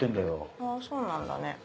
あぁそうなんだね。